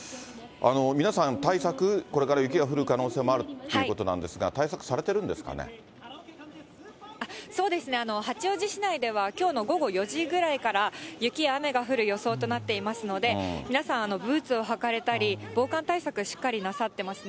皆さん、対策、これから雪が降る可能性もあるっていうことなんですが、対策されそうですね、八王子市内では、きょうの午後４時くらいから雪や雨が降る予想となっていますので、皆さん、ブーツを履かれたり、防寒対策しっかりなさってますね。